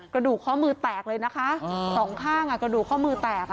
กระดูกข้อมือแตกเลยนะคะสองข้างอ่ะกระดูกข้อมือแตกอ่ะ